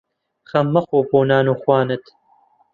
خەم مەخۆ بۆ نان و خوانت